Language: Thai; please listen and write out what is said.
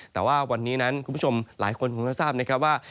แต่ว่าวันนี้นั้นคุณผู้ชมหลายคนคงจะทราบนะครับว่า